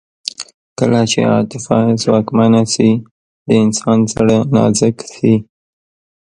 کله چې عاطفه ځواکمنه شي د انسان زړه نازک شي